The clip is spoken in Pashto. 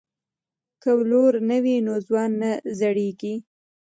که ولور نه وي نو ځوان نه زړیږي.